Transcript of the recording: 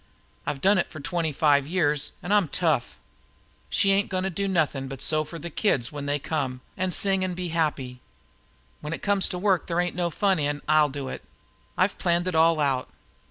I've done it for twenty five years, an' I'm tough. She ain't goin' to do nothin' but sew for the kids when they come, an' sing, an' be happy. When it comes to the work that there ain't no fun in, I'll do it. I've planned it all out.